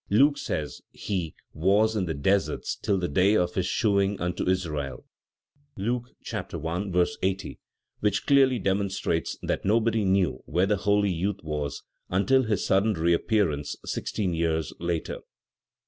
Luke says he "was in the deserts till the day of his shewing unto Israel" (Luke 1, 80), which clearly demonstrates that nobody knew where the holy youth was until his sudden reappearance sixteen years later.